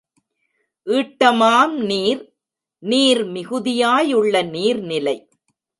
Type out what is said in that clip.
ஈட்டமாம் நீர்—நீர் மிகுதியாயுள்ள நீர்நிலை.